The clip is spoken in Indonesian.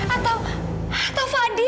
atau atau fadil